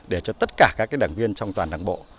để cho tất cả các đảng viên trong toàn đảng bộ